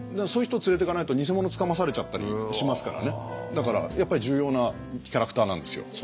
そういう人を連れていかないと偽物つかまされちゃったりしますからねだからやっぱり重要なキャラクターなんですよ